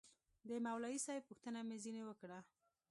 د مولوي صاحب پوښتنه مې ځنې وكړه.